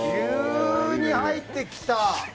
急に入ってきた。